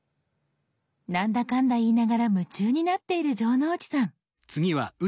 何だかんだ言いながら夢中になっている城之内さん。